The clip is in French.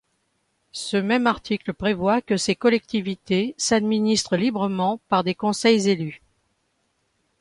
Ce même article prévoit que ces collectivités s'administrent librement par des conseils élus.